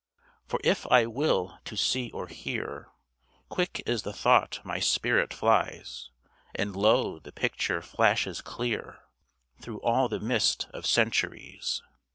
For if I will to see or hear, Quick as the thought my spirit flies, And lo! the picture flashes clear, Through all the mist of centuries.